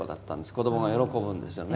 子どもが喜ぶんですよね。